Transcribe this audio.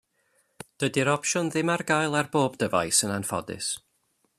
Dydy'r opsiwn ddim ar gael ar bob dyfais, yn anffodus.